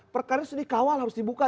perkara ini dikawal harus dibuka